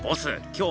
今日